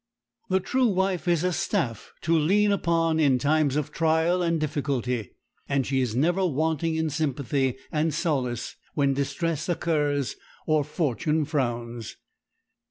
The true wife is a staff to lean upon in times of trial and difficulty, and she is never wanting in sympathy and solace when distress occurs or fortune frowns.